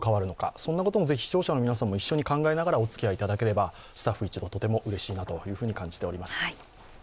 そんなこともぜひ視聴者の皆さんもお考えながら御覧いただけるとスタッフ一同、とてもうれしいなと感じております。